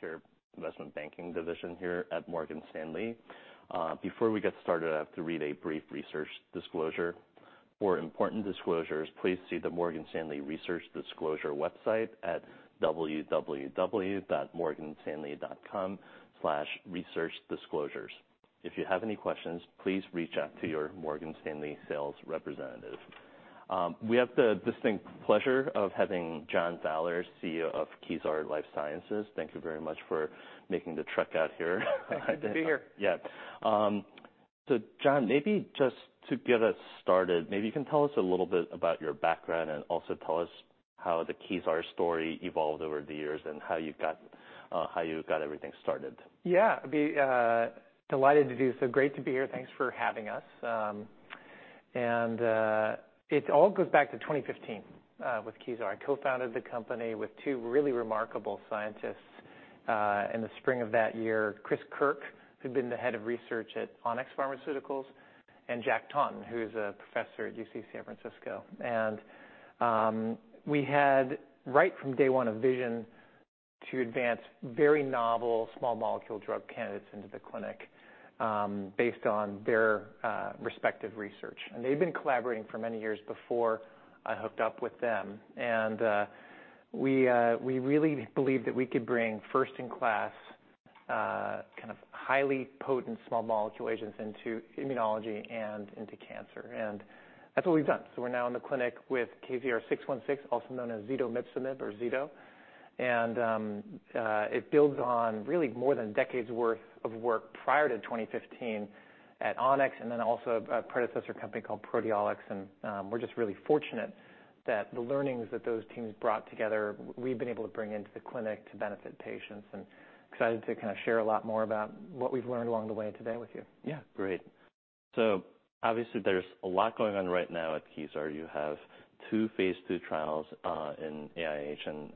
Healthcare Investment Banking Division here at Morgan Stanley. Before we get started, I have to read a brief research disclosure. For important disclosures, please see the Morgan Stanley Research Disclosure website at www.morganstanley.com/researchdisclosures. If you have any questions, please reach out to your Morgan Stanley sales representative. We have the distinct pleasure of having John Fowler, CEO of Kezar Life Sciences. Thank you very much for making the trek out here. Happy to be here. Yeah. So John, maybe just to get us started, maybe you can tell us a little bit about your background, and also tell us how the Kezar story evolved over the years, and how you got everything started. Yeah, I'd be delighted to do so. Great to be here. Thanks for having us. It all goes back to 2015 with Kezar. I co-founded the company with two really remarkable scientists in the spring of that year, Chris Kirk, who'd been the head of research at Onyx Pharmaceuticals, and Jack Taunton, who's a professor at UC San Francisco. We had right from day one a vision to advance very novel, small molecule drug candidates into the clinic based on their respective research. They'd been collaborating for many years before I hooked up with them, and we really believed that we could bring first-in-class kind of highly potent small molecule agents into immunology and into cancer, and that's what we've done. So we're now in the clinic with KZR-616, also known as zetomipzomib or Zeto. And, it builds on really more than decades' worth of work prior to 2015 at Onyx, and then also a predecessor company called Proteolix. And, we're just really fortunate that the learnings that those teams brought together, we've been able to bring into the clinic to benefit patients, and excited to kind of share a lot more about what we've learned along the way today with you. Yeah, great. So obviously, there's a lot going on right now at Kezar. You have two phase II trials in AIH and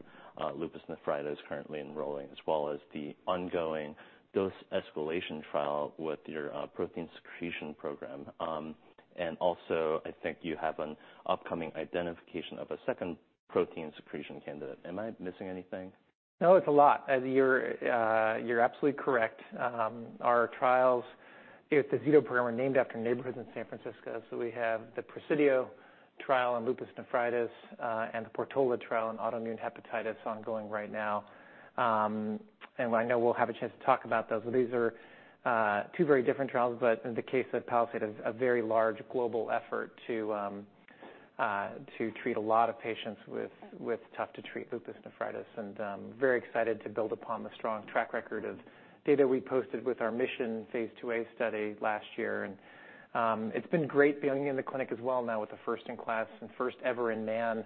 lupus nephritis currently enrolling, as well as the ongoing dose escalation trial with your protein secretion program. And also, I think you have an upcoming identification of a second protein secretion candidate. Am I missing anything? No, it's a lot. You're absolutely correct. Our trials... The Zeto program are named after neighborhoods in San Francisco, so we have the PRESIDIO trial and lupus nephritis, and the PORTOLA trial, and autoimmune hepatitis ongoing right now. And I know we'll have a chance to talk about those. But these are two very different trials, but in the case of PALIZADE, a very large global effort to treat a lot of patients with tough-to-treat lupus nephritis, and very excited to build upon the strong track record of data we posted with our MISSION Phase IIa study last year. And it's been great being in the clinic as well, now with the first-in-class and first-ever-in-man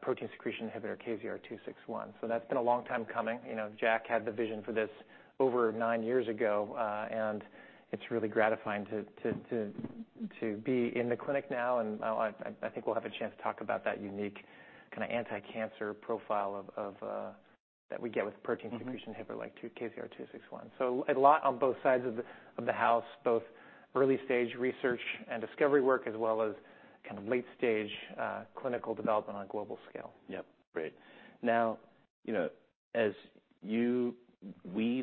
protein secretion inhibitor, KZR-261. So that's been a long time coming. You know, Jack had the vision for this over nine years ago, and it's really gratifying to be in the clinic now. I think we'll have a chance to talk about that unique kind of anti-cancer profile of that we get with protein secretion inhibitor- Mm-hmm. Like KZR-261. So a lot on both sides of the house, both early-stage research and discovery work, as well as kind of late-stage clinical development on a global scale. Yep, great. Now, you know, as we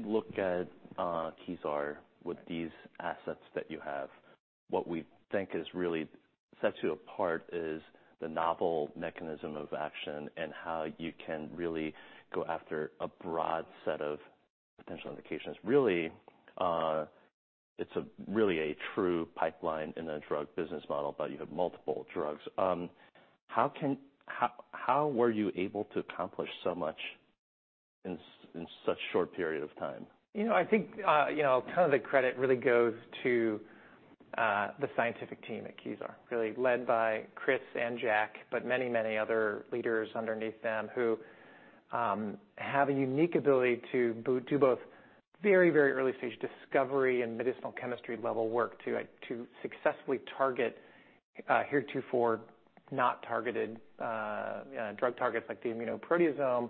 look at Kezar with these assets that you have, what we think is really sets you apart is the novel mechanism of action, and how you can really go after a broad set of potential indications. Really, it's really a true pipeline in a drug business model, but you have multiple drugs. How, how were you able to accomplish so much in such a short period of time? You know, I think, you know, kind of the credit really goes to, the scientific team at Kezar, really led by Chris and Jack, but many, many other leaders underneath them, who, have a unique ability to do both very, very early-stage discovery and medicinal chemistry level work to successfully target, heretofore not targeted, drug targets, like the immunoproteasome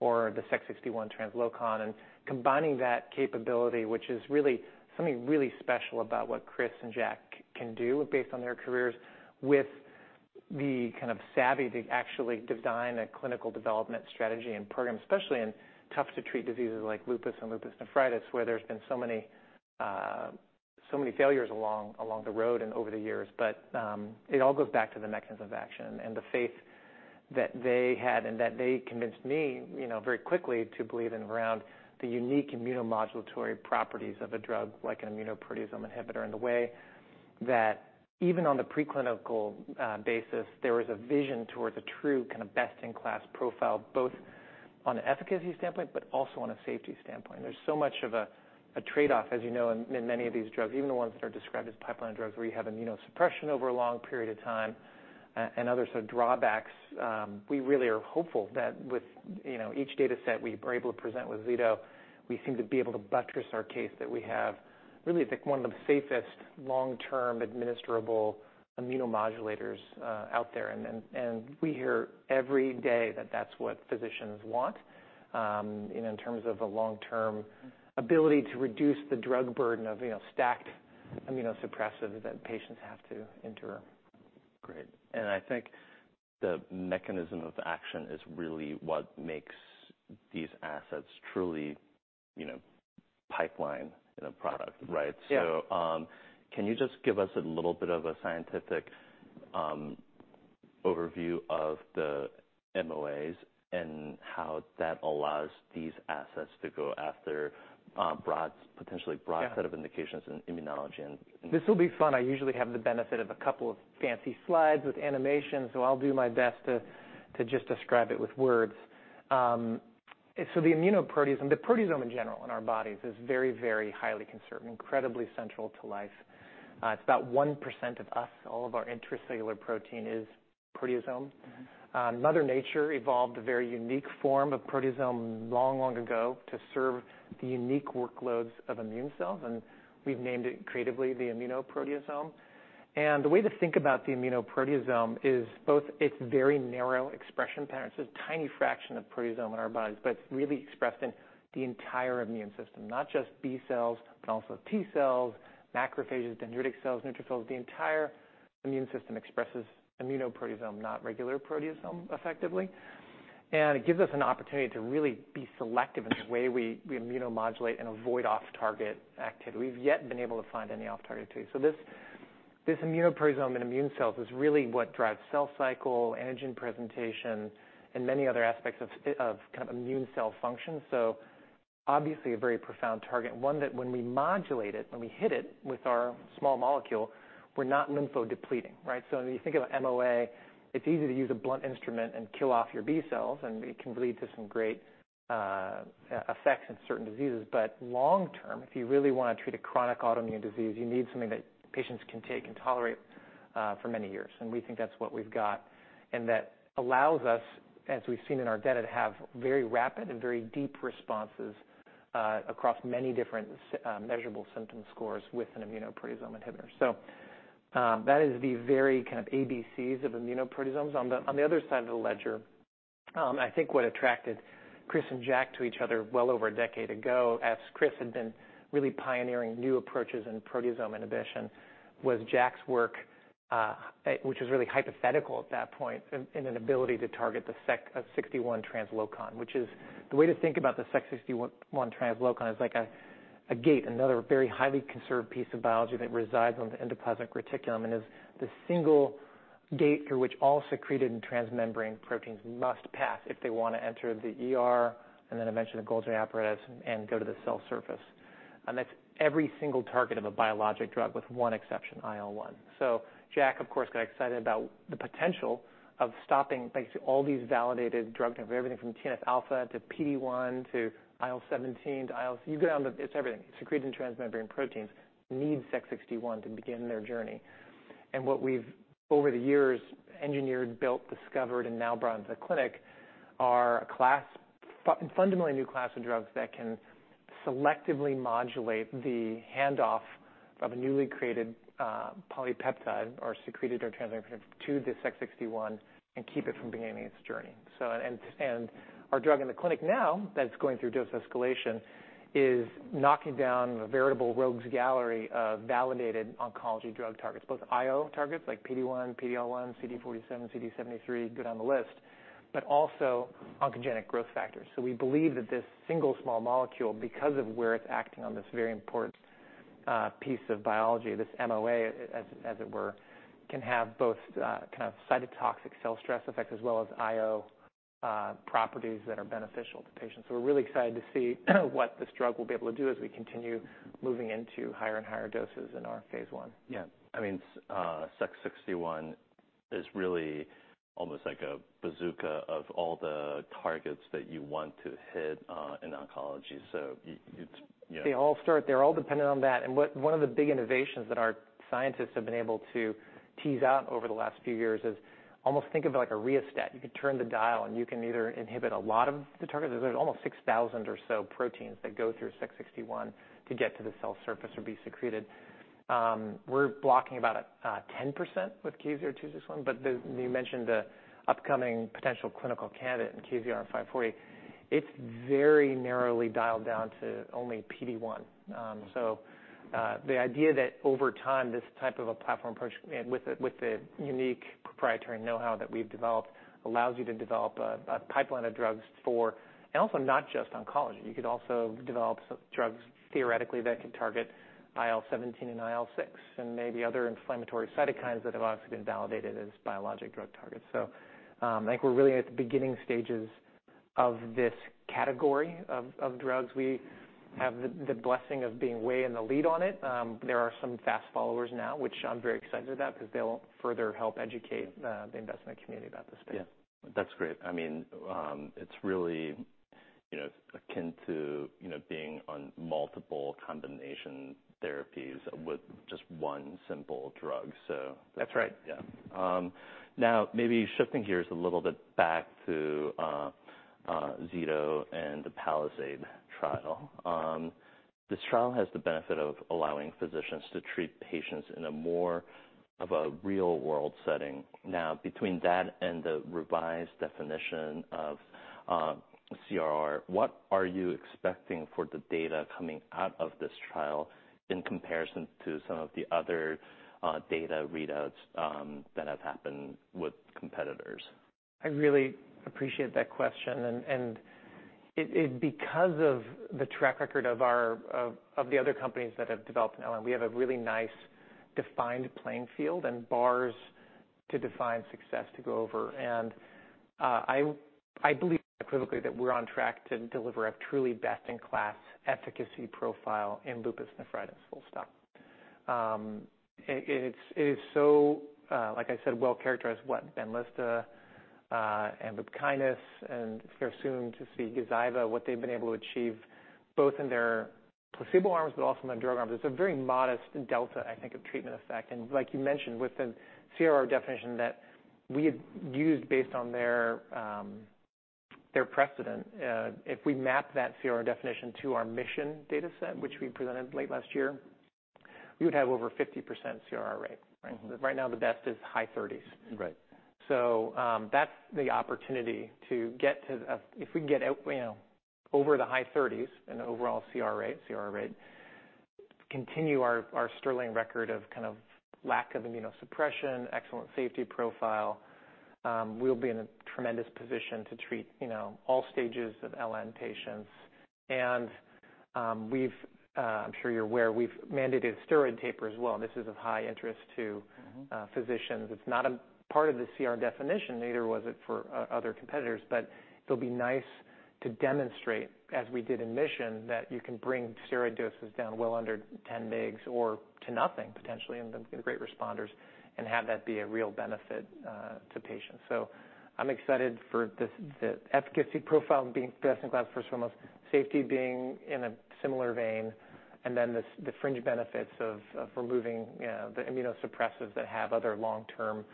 or the Sec61 translocon. And combining that capability, which is really something really special about what Chris and Jack can do based on their careers, with the kind of savvy to actually design a clinical development strategy and program, especially in tough-to-treat diseases like lupus and lupus nephritis, where there's been so many, so many failures along the road and over the years. But, it all goes back to the mechanism of action and the faith that they had, and that they convinced me, you know, very quickly, to believe in around the unique immunomodulatory properties of a drug, like an immunoproteasome inhibitor. In the way that even on the preclinical basis, there was a vision towards a true kind of best-in-class profile, both on an efficacy standpoint, but also on a safety standpoint. There's so much of a trade-off, as you know, in many of these drugs, even the ones that are described as pipeline drugs, where you have immunosuppression over a long period of time, and other sort of drawbacks. We really are hopeful that with, you know, each data set we are able to present with Zeto, we seem to be able to buttress our case, that we have really, I think, one of the safest long-term administrable immunomodulators out there. And then we hear every day that that's what physicians want, you know, in terms of the long-term ability to reduce the drug burden of, you know, stacked immunosuppressive that patients have to endure.... Great. I think the mechanism of action is really what makes these assets truly, you know, pipeline in a product, right? Yeah. So, can you just give us a little bit of a scientific overview of the MOAs, and how that allows these assets to go after broad, potentially broad- Yeah Set of indications in immunology and This will be fun. I usually have the benefit of a couple of fancy slides with animation, so I'll do my best to, to just describe it with words. So the immunoproteasome, the proteasome, in general, in our bodies is very, very highly conserved and incredibly central to life. It's about 1% of us, all of our intracellular protein is proteasome. Mm-hmm. Mother Nature evolved a very unique form of Proteasome long, long ago to serve the unique workloads of immune cells, and we've named it, creatively, the Immunoproteasome. The way to think about the Immunoproteasome is both its very narrow expression pattern. It's a tiny fraction of Proteasome in our bodies, but it's really expressed in the entire immune system, not just B-cells, but also T-cells, macrophages, dendritic cells, neutrophils. The entire immune system expresses Immunoproteasome, not regular Proteasome, effectively. It gives us an opportunity to really be selective in the way we, we immunomodulate and avoid off-target activity. We've yet been able to find any off-target activity. So this Immunoproteasome in immune cells is really what drives cell cycle, antigen presentation, and many other aspects of of kind of immune cell function. So obviously, a very profound target, and one that when we modulate it, when we hit it with our small molecule, we're not lymphodepleting, right? So when you think of an MOA, it's easy to use a blunt instrument and kill off your B-cells, and it can lead to some great effects in certain diseases. But long term, if you really want to treat a chronic autoimmune disease, you need something that patients can take and tolerate for many years, and we think that's what we've got. And that allows us, as we've seen in our data, to have very rapid and very deep responses across many different measurable symptom scores with an immunoproteasome inhibitor. So, that is the very kind of ABCs of immunoproteasomes. On the other side of the ledger, I think what attracted Chris and Jack to each other well over a decade ago, as Chris had been really pioneering new approaches in proteasome inhibition, was Jack's work at which was really hypothetical at that point, in an ability to target the Sec61 translocon. The way to think about the Sec61 translocon is like a gate, another very highly conserved piece of biology that resides on the endoplasmic reticulum and is the single gate through which all secreted and transmembrane proteins must pass if they want to enter the ER, and then eventually, the Golgi apparatus, and go to the cell surface. And that's every single target of a biologic drug, with one exception, IL-1. So Jack, of course, got excited about the potential of stopping basically all these validated drug targets, everything from TNF alpha to PD-1 to IL-17 to IL... You go down the, it's everything. Secreted and transmembrane proteins need Sec61 to begin their journey. And what we've, over the years, engineered, built, discovered, and now brought into the clinic, are a class, fundamentally new class of drugs that can selectively modulate the handoff of a newly created, polypeptide or secreted or transmembrane protein to the Sec61 and keep it from beginning its journey. So, and our drug in the clinic now, that it's going through dose escalation, is knocking down a veritable rogue's gallery of validated oncology drug targets, both IO targets, like PD-1, PD-L1, CD47, CD73, go down the list, but also oncogenic growth factors. So we believe that this single small molecule, because of where it's acting on this very important piece of biology, this MOA, as, as it were, can have both, kind of cytotoxic cell stress effects as well as IO properties that are beneficial to patients. So we're really excited to see what this drug will be able to do as we continue moving into higher and higher doses in our phase I. Yeah. I mean, Sec61 is really almost like a bazooka of all the targets that you want to hit in oncology. So yeah. They all start, they're all dependent on that. And one of the big innovations that our scientists have been able to tease out over the last few years is, almost think of it like a rheostat. You can turn the dial, and you can either inhibit a lot of the targets. There's almost 6,000 or so proteins that go through Sec61 to get to the cell surface or be secreted. We're blocking about 10% with KZR-261, but the, you mentioned the upcoming potential clinical candidate in KZR-540. It's very narrowly dialed down to only PD-1. Mm-hmm. So, the idea that over time, this type of a platform approach, and with the unique proprietary know-how that we've developed, allows you to develop a pipeline of drugs for, and also not just oncology. You could also develop drugs, theoretically, that could target IL-17 and IL-6, and maybe other inflammatory cytokines that have also been validated as biologic drug targets. So, I think we're really at the beginning stages of this category of drugs. We have the blessing of being way in the lead on it. There are some fast followers now, which I'm very excited about, because they'll further help educate the investment community about this space. Yeah. That's great. I mean, it's really, you know, akin to, you know, being on multiple combination therapies with just one simple drug so- That's right. Yeah. Now, maybe shifting gears a little bit back to zetomipzomib and the PALIZADE trial. This trial has the benefit of allowing physicians to treat patients in a more of a real-world setting.... Now, between that and the revised definition of CRR, what are you expecting for the data coming out of this trial in comparison to some of the other data readouts that have happened with competitors? I really appreciate that question, because of the track record of the other companies that have developed an LN, we have a really nice defined playing field and bars to define success to go over. I believe unequivocally that we're on track to deliver a truly best-in-class efficacy profile in lupus nephritis, full stop. It is so like I said, well characterized, what Benlysta and Lupkynis, and fairly soon to see Gazyva, what they've been able to achieve both in their placebo arms, but also in their drug arms. It's a very modest delta, I think, of treatment effect. Like you mentioned, with the CRR definition that we had used based on their precedent, if we map that CRR definition to our MISSION data set, which we presented late last year, we would have over 50% CRR rate, right? Mm-hmm. Right now, the best is high 30s. Right. So, that's the opportunity to get to. If we can get, you know, over the high 30s in the overall CR rate, CRR rate, continue our sterling record of kind of lack of immunosuppression, excellent safety profile, we'll be in a tremendous position to treat, you know, all stages of LN patients. And, I'm sure you're aware, we've mandated steroid taper as well. This is of high interest to- Mm-hmm. Physicians. It's not a part of the CR definition, neither was it for other competitors, but it'll be nice to demonstrate, as we did in MISSION, that you can bring steroid doses down well under 10 mg or to nothing, potentially, in the great responders, and have that be a real benefit to patients. So I'm excited for this, the efficacy profile being best in class, first and foremost, safety being in a similar vein, and then the fringe benefits of removing, you know, the immunosuppressants that have other long-term,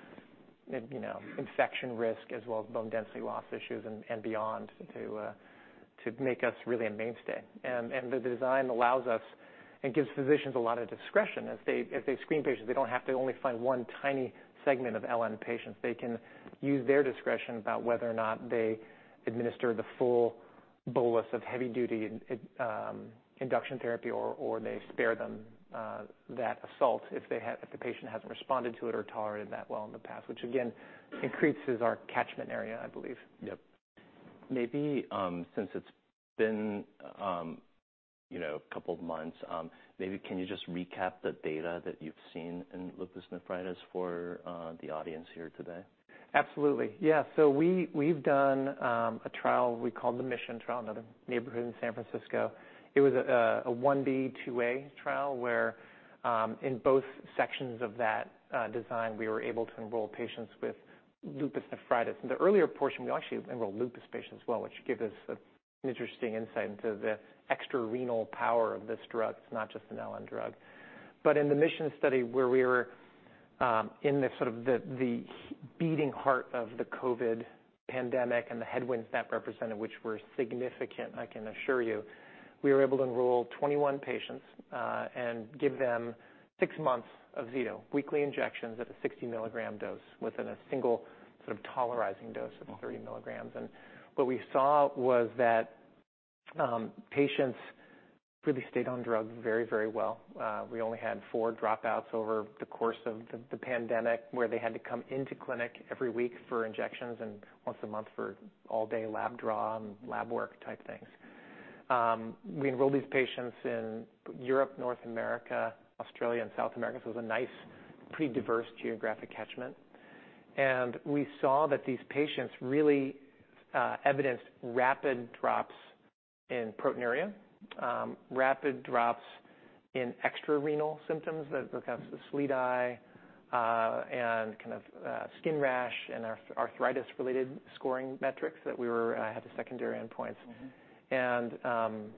you know, infection risk, as well as bone density loss issues and beyond, to make us really a mainstay. The design allows us and gives physicians a lot of discretion. As they screen patients, they don't have to only find one tiny segment of LN patients. They can use their discretion about whether or not they administer the full bolus of heavy-duty induction therapy, or they spare them that assault if they have... If the patient hasn't responded to it or tolerated that well in the past, which, again, increases our catchment area, I believe. Yep. Maybe, since it's been, you know, a couple of months, maybe can you just recap the data that you've seen in lupus nephritis for the audience here today? Absolutely. Yeah, so we've done a trial we called the MISSION Trial, another neighborhood in San Francisco. It was a 1b/2a trial, where in both sections of that design, we were able to enroll patients with lupus nephritis. In the earlier portion, we actually enrolled lupus patients as well, which gave us an interesting insight into the extrarenal power of this drug. It's not just an LN drug. But in the MISSION study, where we were in the sort of the beating heart of the COVID pandemic and the headwinds that represented, which were significant, I can assure you, we were able to enroll 21 patients and give them six months of zetomipzomib, weekly injections at a 60 mg dose within a single sort of tolerizing dose of 30 mg. And what we saw was that, patients really stayed on drug very, very well. We only had four dropouts over the course of the pandemic, where they had to come into clinic every week for injections and once a month for all-day lab draw and lab work type things. We enrolled these patients in Europe, North America, Australia, and South America, so it was a nice, pretty diverse geographic catchment. And we saw that these patients really evidenced rapid drops in proteinuria, rapid drops in extrarenal symptoms, the kind of SLEDAI and skin rash and arthritis-related scoring metrics that we had the secondary endpoints. Mm-hmm. And,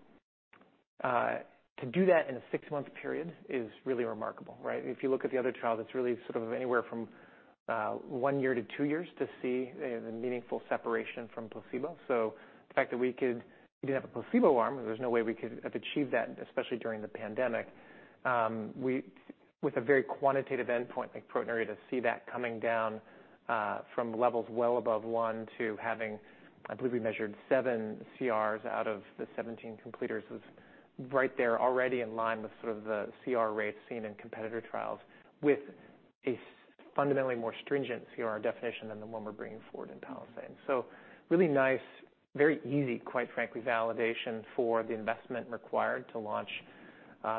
to do that in a six-month period is really remarkable, right? If you look at the other trial, it's really sort of anywhere from one year to two years to see a meaningful separation from placebo. So the fact that we could, we didn't have a placebo arm, there's no way we could have achieved that, especially during the pandemic. We, with a very quantitative endpoint like proteinuria, to see that coming down from levels well above one to having, I believe we measured seven CRs out of the 17 completers, was right there already in line with sort of the CR rates seen in competitor trials, with a fundamentally more stringent CR definition than the one we're bringing forward in PALIZADE. So really nice, very easy, quite frankly, validation for the investment required to launch,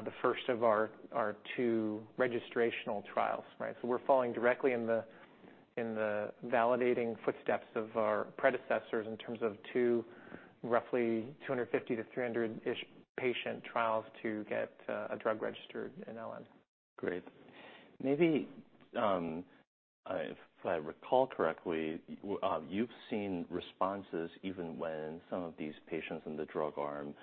the first of our, our two registrational trials, right? So we're following directly in the validating footsteps of our predecessors in terms of roughly 250-300-ish patient trials to get, a drug registered in LN. Great. Maybe, if I recall correctly, you've seen responses even when some of these patients in the drug arm,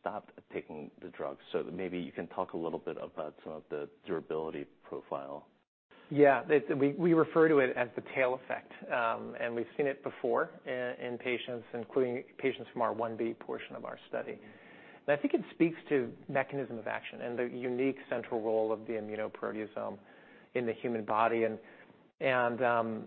stopped taking the drugs. So maybe you can talk a little bit about some of the durability profile. Yeah, we refer to it as the tail effect, and we've seen it before in patients, including patients from our 1b portion of our study. And I think it speaks to mechanism of action and the unique central role of the immunoproteasome in the human body, and the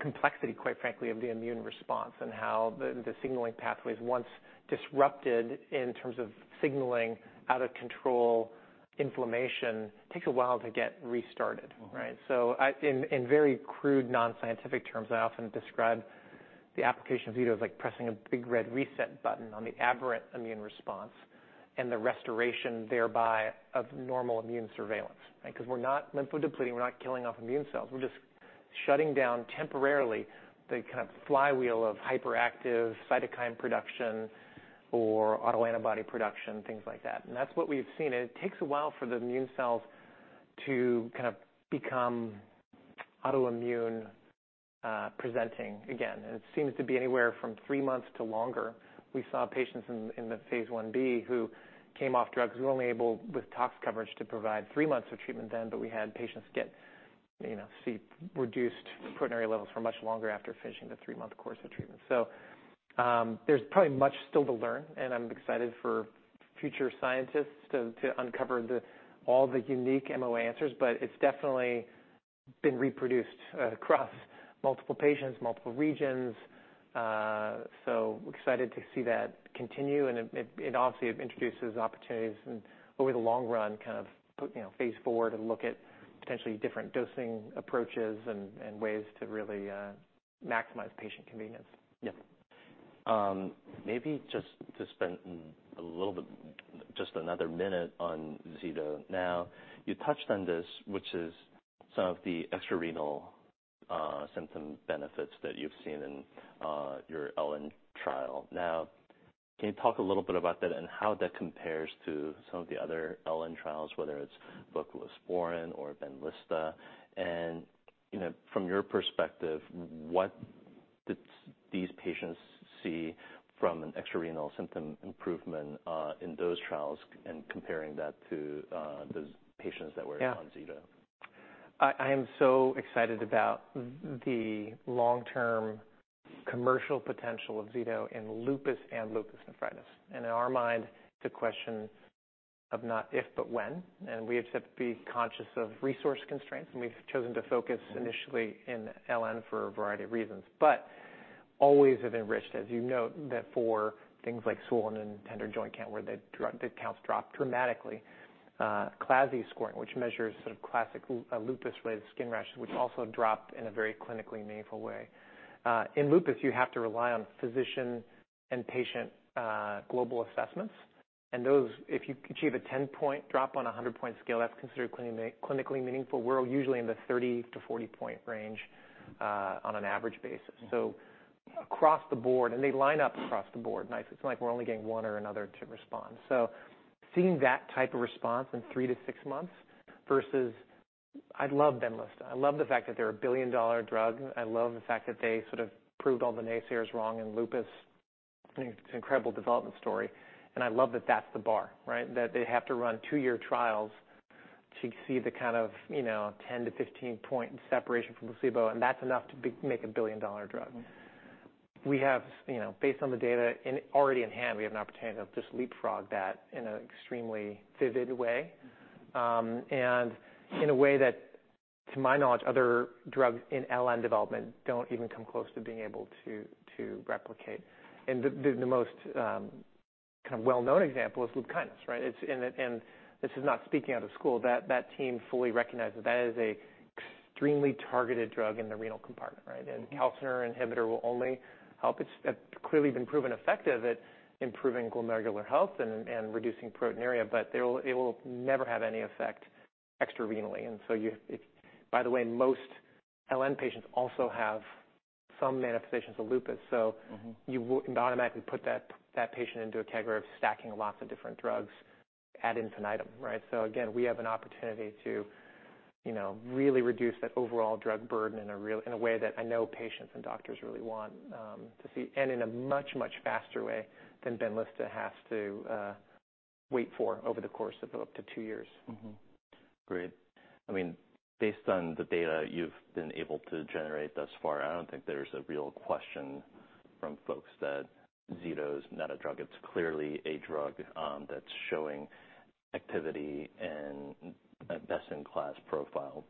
complexity, quite frankly, of the immune response and how the signaling pathways, once disrupted in terms of signaling out of control inflammation, takes a while to get restarted, right? So, in very crude, non-scientific terms, I often describe the application of zetomipzomib as like pressing a big red reset button on the aberrant immune response and the restoration thereby of normal immune surveillance, right? Because we're not lymphodepleting, we're not killing off immune cells, we're just shutting down temporarily the kind of flywheel of hyperactive cytokine production or autoantibody production, things like that. That's what we've seen, and it takes a while for the immune cells to kind of become autoimmune presenting again, and it seems to be anywhere from three months to longer. We saw patients in the phase Ib who came off drugs. We were only able, with tox coverage, to provide three months of treatment then, but we had patients get, you know, see reduced proteinuria levels for much longer after finishing the three-month course of treatment. So, there's probably much still to learn, and I'm excited for future scientists to uncover the all the unique MOA answers, but it's definitely been reproduced across multiple patients, multiple regions. So we're excited to see that continue, and it obviously introduces opportunities and over the long run, kind of, you know, phase IV to look at potentially different dosing approaches and ways to really maximize patient convenience. Yeah. Maybe just to spend a little bit, just another minute on zetomipzomib. Now, you touched on this, which is some of the extrarenal symptom benefits that you've seen in your LN trial. Now, can you talk a little bit about that and how that compares to some of the other LN trials, whether it's voclosporin or Benlysta? And, you know, from your perspective, what did these patients see from an extrarenal symptom improvement in those trials and comparing that to those patients that were- Yeah ... On zetomipzomib? I am so excited about the long-term commercial potential of zetomipzomib in lupus and lupus nephritis. In our mind, it's a question of not if, but when, and we have to be conscious of resource constraints, and we've chosen to focus initially in LN for a variety of reasons. But we have always been encouraged, as you note, that for things like swollen and tender joint count, where the drug, the counts drop dramatically, CLASI scoring, which measures sort of classic lupus raised skin rashes, which also dropped in a very clinically meaningful way. In lupus, you have to rely on physician and patient global assessments, and those, if you achieve a 10-point drop on a 100-point scale, that's considered clinically meaningful. We're usually in the 30-40-point range on an average basis. Mm-hmm. So across the board, and they line up across the board nicely. It's not like we're only getting one or another to respond. So seeing that type of response in three to six months versus... I love Benlysta. I love the fact that they're a billion-dollar drug. I love the fact that they sort of proved all the naysayers wrong in lupus. I mean, it's an incredible development story, and I love that that's the bar, right? That they have to run two-year trials to see the kind of, you know, 10- to 15-point separation from placebo, and that's enough to make a billion-dollar drug. Mm-hmm. We have, you know, based on the data already in hand, we have an opportunity to just leapfrog that in an extremely vivid way. And in a way that, to my knowledge, other drugs in LN development don't even come close to being able to, to replicate. And the most kind of well-known example is Lupkynis, right? And this is not speaking out of school, that team fully recognizes that is an extremely targeted drug in the renal compartment, right? Mm-hmm. And calcineurin inhibitor will only help. It's clearly been proven effective at improving glomerular health and, and reducing proteinuria, but they will, it will never have any effect extrarenally. And so... By the way, most LN patients also have some manifestations of lupus, so- Mm-hmm... You would automatically put that, that patient into a category of stacking lots of different drugs ad infinitum, right? So again, we have an opportunity to, you know, really reduce that overall drug burden in a real, in a way that I know patients and doctors really want to see, and in a much, much faster way than Benlysta has to wait for over the course of up to two years. Mm-hmm. Great. I mean, based on the data you've been able to generate thus far, I don't think there's a real question from folks that zetomipzomib is not a drug. It's clearly a drug, that's showing activity and a best-in-class profile.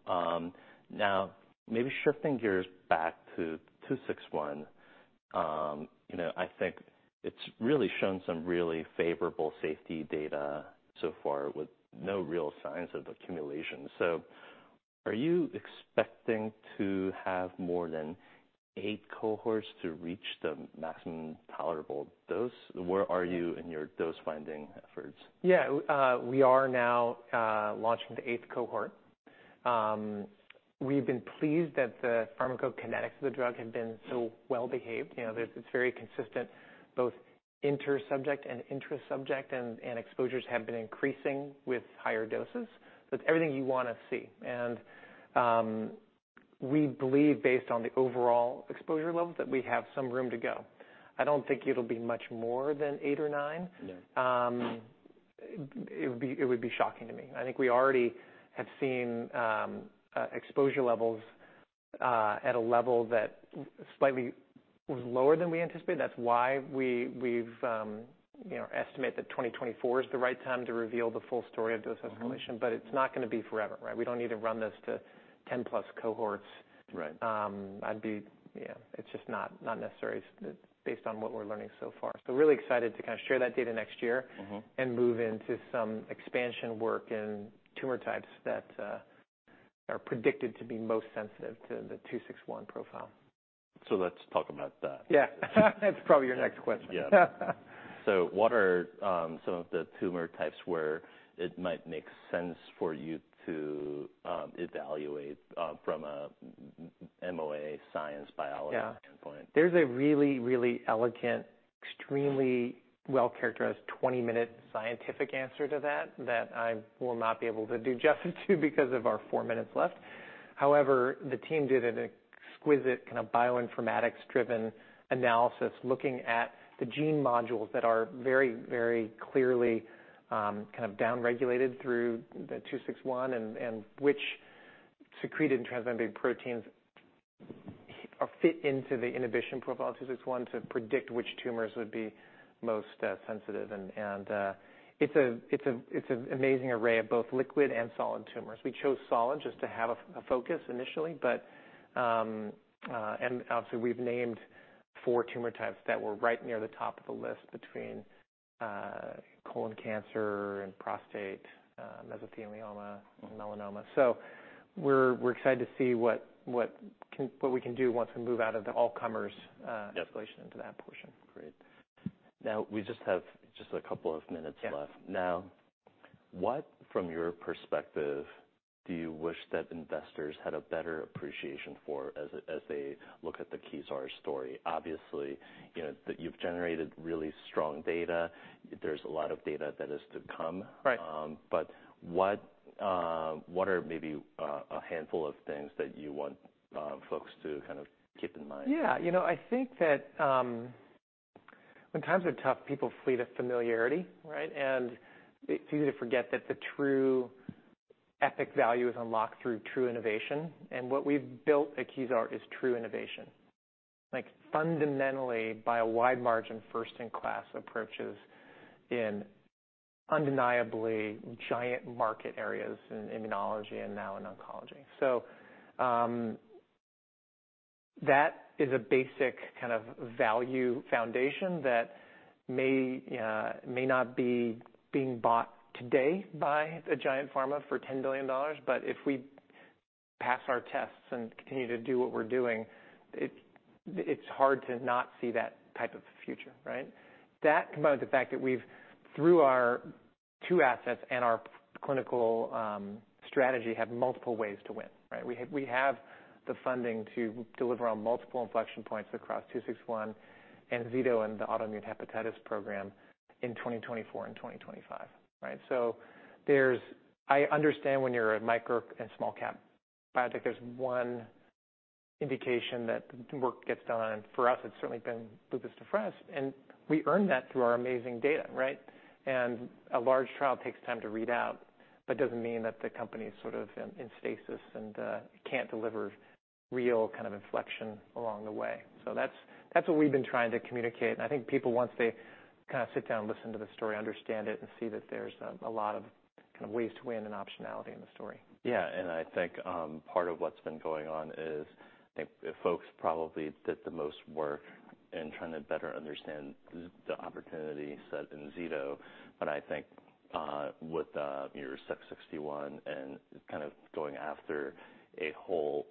Now, maybe shifting gears back to KZR-261, you know, I think it's really shown some really favorable safety data so far with no real signs of accumulation. So are you expecting to have more than eight cohorts to reach the maximum tolerable dose? Where are you in your dose-finding efforts? Yeah, we are now launching the eighth cohort. We've been pleased that the pharmacokinetics of the drug have been so well behaved. You know, it's very consistent, both inter-subject and intra-subject, and exposures have been increasing with higher doses, with everything you want to see. We believe, based on the overall exposure levels, that we have some room to go. I don't think it'll be much more than eight or nine. Yeah.... It would be, it would be shocking to me. I think we already have seen exposure levels at a level that slightly was lower than we anticipated. That's why we, we've, you know, estimate that 2024 is the right time to reveal the full story of dose escalation. Mm-hmm. But it's not going to be forever, right? We don't need to run this to 10+ cohorts. Right. It's just not necessary based on what we're learning so far. So really excited to kind of share that data next year- Mm-hmm. And move into some expansion work in tumor types that are predicted to be most sensitive to the 261 profile. So let's talk about that. Yeah. That's probably your next question. Yeah. So what are some of the tumor types where it might make sense for you to evaluate from a MOA science, biology standpoint? Yeah. There's a really, really elegant, extremely well-characterized 20-minute scientific answer to that, that I will not be able to do justice to because of our four minutes left. However, the team did an exquisite kind of bioinformatics-driven analysis, looking at the gene modules that are very, very clearly kind of down-regulated through the KZR-261, and which secreted and transmembrane proteins are fit into the inhibition profile of KZR-261, to predict which tumors would be most sensitive. And it's an amazing array of both liquid and solid tumors. We chose solid just to have a focus initially, but. And obviously, we've named 4 tumor types that were right near the top of the list between colon cancer and prostate, mesothelioma and melanoma. Mm-hmm. We're excited to see what we can do once we move out of the all comers. Yep. escalation into that portion. Great. Now, we just have a couple of minutes left. Yeah. Now, what, from your perspective, do you wish that investors had a better appreciation for, as they, as they look at the Kezar story? Obviously, you know, that you've generated really strong data. There's a lot of data that is to come. Right. But what are maybe a handful of things that you want folks to kind of keep in mind? Yeah. You know, I think that, when times are tough, people flee to familiarity, right? And it's easy to forget that the true epic value is unlocked through true innovation, and what we've built at Kezar is true innovation. Like, fundamentally, by a wide margin, first-in-class approaches in undeniably giant market areas in immunology and now in oncology. So, that is a basic kind of value foundation that may, may not be being bought today by a giant pharma for $10 billion, but if we pass our tests and continue to do what we're doing, it, it's hard to not see that type of future, right? That, combined with the fact that we've, through our two assets and our clinical, strategy, have multiple ways to win, right? We have the funding to deliver on multiple inflection points across 261 and ZTO, and the autoimmune hepatitis program in 2024 and 2025, right? So there's. I understand when you're a micro and small cap biotech, there's one indication that the work gets done, and for us, it's certainly been lupus nephritis, and we earned that through our amazing data, right? And a large trial takes time to read out, but doesn't mean that the company is sort of in stasis and can't deliver real kind of inflection along the way. So that's what we've been trying to communicate, and I think people, once they kind of sit down and listen to the story, understand it, and see that there's a lot of kind of ways to win and optionality in the story. Yeah, and I think, part of what's been going on is, I think folks probably did the most work in trying to better understand the, the opportunity set in Zeto. But I think, with, your 616 and kind of going after a whole,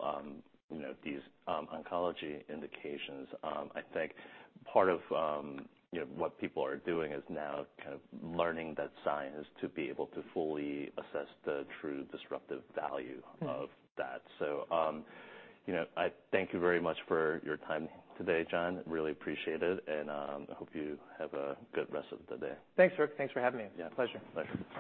you know, these, oncology indications, I think part of, you know, what people are doing is now kind of learning that science to be able to fully assess the true disruptive value of that. Mm-hmm. You know, I thank you very much for your time today, John. Really appreciate it, and I hope you have a good rest of the day. Thanks, Vik. Thanks for having me. Yeah. Pleasure. Pleasure.